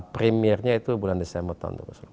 premiernya itu bulan desember tahun dua ribu sembilan belas